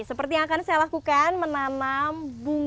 seperti yang akan saya lakukan menanam bunga